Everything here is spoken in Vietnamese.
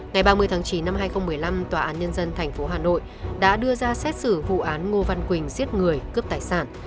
ngày ba mươi tháng chín năm hai nghìn một mươi năm tòa án nhân dân tp hà nội đã đưa ra xét xử vụ án ngô văn quỳnh giết người cướp tài sản